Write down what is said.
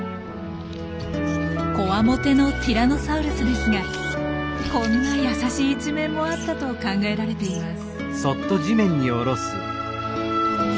こわもてのティラノサウルスですがこんな優しい一面もあったと考えられています。